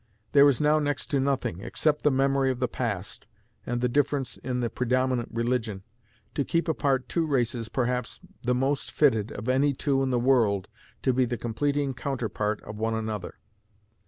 There is now next to nothing, except the memory of the past, and the difference in the predominant religion, to keep apart two races perhaps the most fitted of any two in the world to be the completing counterpart of one another.